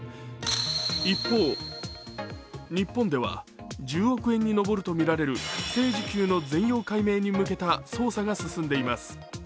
一方、日本では１０億円に上るとみられる不正受給の全容解明に向けた捜査が進んでいます。